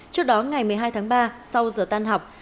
trước đó ngày một mươi hai tháng ba sau giờ tan học